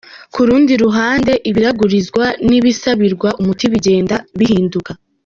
Ku rundi ruhande, ibiragurizwa n’ibisabirwa umuti bigenda bihinduka.